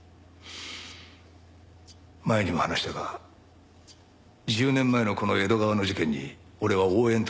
前にも話したが１０年前のこの江戸川の事件に俺は応援として加わっていた。